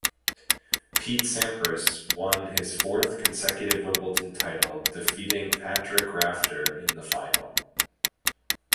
Pete Sampras won his fourth consecutive Wimbledon title, defeating Patrick Rafter in the final.